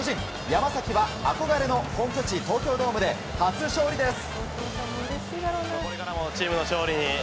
山崎は憧れの本拠地東京ドームで初勝利です！